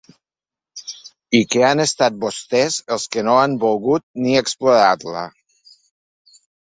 I que han estat vostès els que no han volgut ni explorar-la.